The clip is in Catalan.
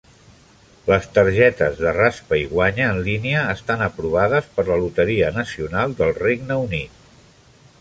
Les targetes de raspa i guanya en línia estan aprovades per la Loteria Nacional del Regne Unit.